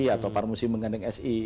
atau parmusi menggandeng si